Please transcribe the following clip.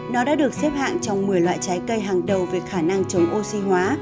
nó đã được xếp hạng trong một mươi loại trái cây hàng đầu về khả năng chống oxy hóa